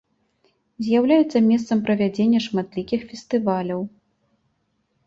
З'яўляецца месцам правядзення шматлікіх фестываляў.